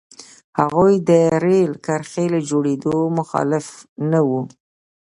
هغوی د رېل کرښې له جوړېدو مخالف نه وو.